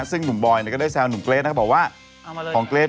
ซึ่งหนุ่มบอยก็ได้แทรกหนุ่มเกรทนะครับ